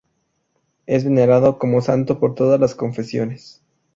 Es venerado como santo por todas las confesiones.